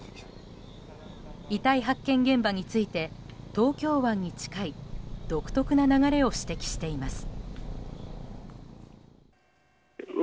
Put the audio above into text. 遺体発見現場について東京湾に近い独特な流れを指摘しています。